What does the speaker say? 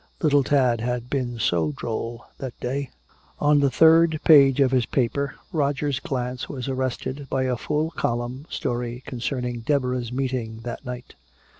Little Tad had been so droll that day. On the third page of his paper, Roger's glance was arrested by a full column story concerning Deborah's meeting that night.